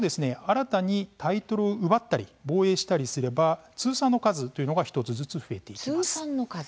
新たにタイトルを奪ったり防衛したりすれば通算の数というのが１つずつ増えていきます。